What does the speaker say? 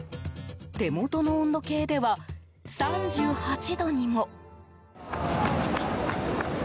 手元の温度計では３８度にも。